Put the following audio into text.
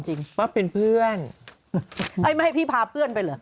ใช่ก็เป็นเพื่อนกันได้